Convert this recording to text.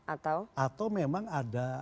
atau atau memang ada